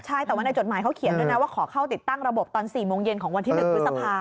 ใช่แต่ว่าในจดหมายเขาเขียนด้วยนะว่าขอเข้าติดตั้งระบบตอน๔โมงเย็นของวันที่๑พฤษภา